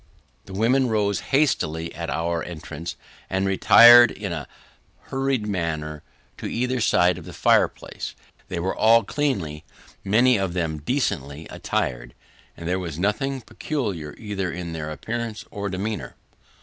The women rose hastily, on our entrance, and retired in a hurried manner to either side of the fireplace. They were all cleanly many of them decently attired, and there was nothing peculiar, either in their appearance or demeanour.